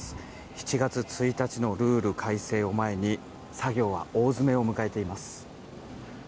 ７月１日のルール改正を前に作業は大詰めを迎えています。